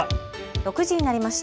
６時になりました。